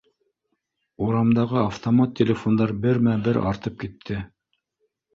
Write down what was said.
Урамдағы автомат телефондар бермә-бер артып китте